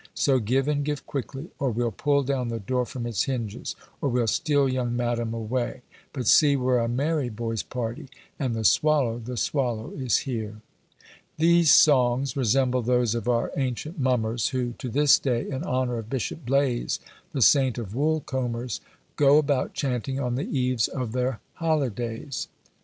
So give, and give quickly, Or we'll pull down the door from its hinges: Or we'll steal young madam away! But see! we're a merry boy's party, And the Swallow, the Swallow is here! These songs resemble those of our own ancient mummers, who to this day, in honour of Bishop Blaize, the Saint of Woolcombers, go about chanting on the eves of their holidays.